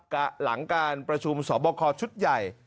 หลังการประชุมสอบคอชุดใหญ่